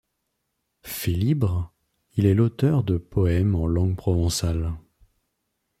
Félibre, il est l'auteur de poèmes en langue provençale.